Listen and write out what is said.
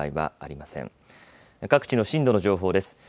各地の震度の情報です。